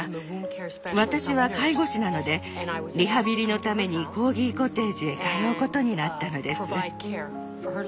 私は介護士なのでリハビリのためにコーギコテージへ通うことになったのです。